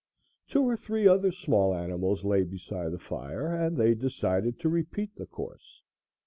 Two or three other small animals lay beside the fire and they decided to repeat the course.